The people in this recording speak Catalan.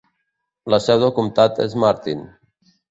La seu del comtat és Martin.